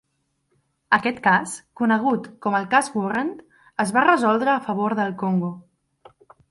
Aquest cas, conegut com el "Cas Warrant", es va resoldre a favor del Congo.